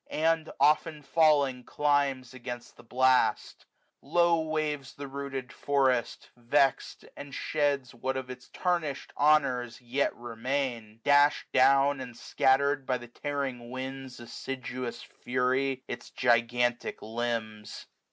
And, often falling, climbs against the blast« i8q Low waves the rooted forest, vex'd, and sheda What of its tarnishM honours yet remain j Dash'd down, and scattered, by the tearing wind's Assiduous fury, its gigantic limbs.